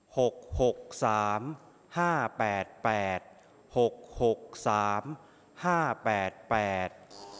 หกหกสามห้าแปดแปดหกหกสามห้าแปดแปด